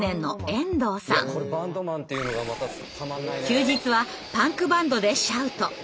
休日はパンクバンドでシャウト。